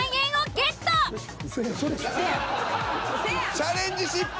チャレンジ失敗！